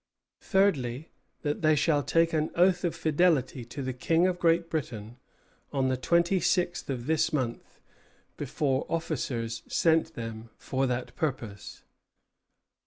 Thirdly, that they shall take an oath of fidelity to the King of Great Britain, on the twenty sixth of this month, before officers sent them for that purpose."